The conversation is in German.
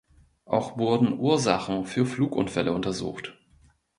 Auch wurden Ursachen für Flugunfälle untersucht.